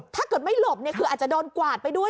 ถ้าเกิดไม่หลบคืออาจจะโดนกวาดไปด้วย